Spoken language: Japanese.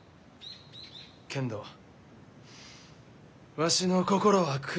けんどわしの心は暗い。